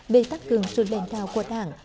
để tác cường sự đền cao của tảng